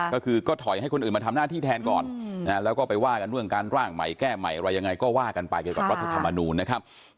ก็คือทอยให้คนอื่นมาทำหน้าที่แทนก่อนแล้วก็ไปว่ากันที่การร่างใหม่แก้ไหมก็ว่ากันกับรัฐธรรมนูล